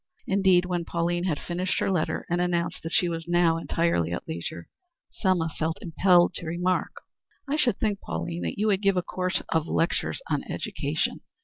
Indeed, when Pauline had finished her letter and announced that she was now entirely at leisure, Selma felt impelled to remark: "I should think, Pauline, that you would give a course of lectures on education.